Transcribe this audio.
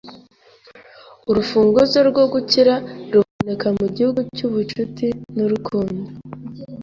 Urufunguzo rwo gukira ruboneka mu gihugu cy'ubucuti n'urukundo